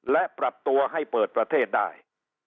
และปรับตัวให้เปิดประเทศได้